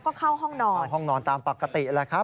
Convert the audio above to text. ก็เข้าห้องนอนเข้าห้องนอนตามปกติแหละครับ